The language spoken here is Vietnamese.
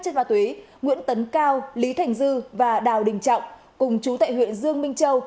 chất ma túy nguyễn tấn cao lý thành dư và đào đình trọng cùng chú tại huyện dương minh châu